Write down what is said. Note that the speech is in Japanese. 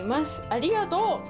ありがとう！